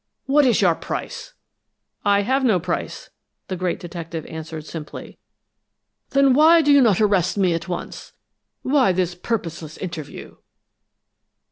What is your price?" "I have no price," the great detective answered, simply. "Then why did you not arrest me at once? Why this purposeless interview?"